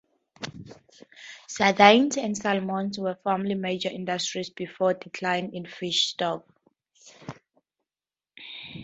Sardines and Salmon were formerly major industries, before declines in fish stocks.